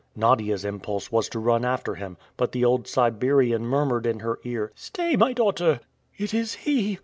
Nadia's impulse was to run after him, but the old Siberian murmured in her ear, "Stay, my daughter!" "It is he!"